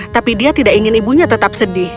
tapi dia tidak ingin ibunya tetap sedih